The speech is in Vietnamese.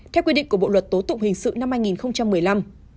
theo quy định của bộ luật tố tụng hình sự năm hai nghìn một mươi năm